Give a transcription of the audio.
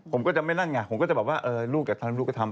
ผมก็จะไม่ลั่งงานผมก็จะบอกว่าลูกก็ทำลูกก็ทำไป